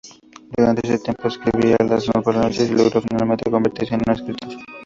Durante ese tiempo escribía por las noches y logró finalmente convertirse en un escritor.